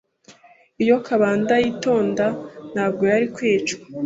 Iyo Kabanda yitonda, ntabwo yari kwicwa.